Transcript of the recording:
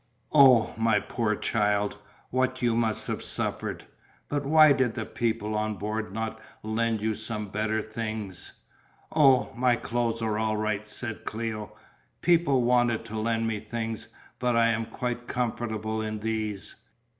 Oh, my poor child, what you must have suffered. But why did the people on board not lend you some better things?" "Oh, my clothes are all right," said Cléo, "people wanted to lend me things, but I am quite comfortable in these."